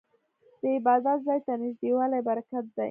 د عبادت ځای ته نږدې والی برکت دی.